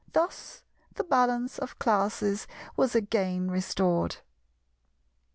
Thus the balance of classes was again restored.